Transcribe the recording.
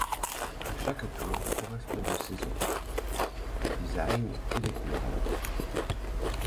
À chaque tour correspond une saison, un design et des couleurs adaptées.